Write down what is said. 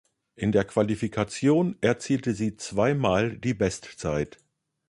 In der Qualifikation erzielte sie zweimal die Bestzeit.